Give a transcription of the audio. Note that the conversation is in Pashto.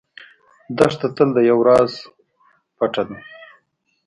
دښته تل د یو راز پټه ده.